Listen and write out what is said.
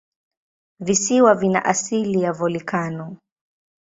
Visiwa vina asili ya volikano.